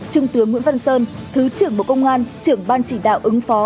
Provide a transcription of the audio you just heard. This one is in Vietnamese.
trung tướng nguyễn văn sơn thứ trưởng bộ công an trưởng ban chỉ đạo ứng phó